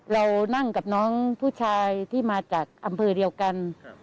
เรานั่งกับน้องผู้ชายที่มาจากอำเภอเดียวกัน